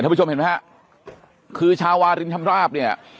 ท่านผู้ชมเห็นไหมฮะคือชาววารินทรัพย์เนี่ย